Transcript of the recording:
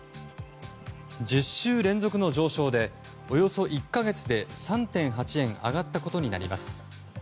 １０週連続の上昇でおよそ１か月で３．８円上がったことになります。